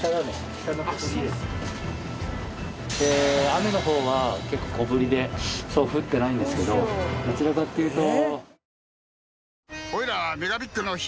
雨の方は結構小降りでそんなに降ってないんですけどどちらかっていうと。